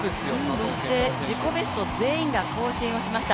そして自己ベスト全員が更新をしました。